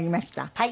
はい。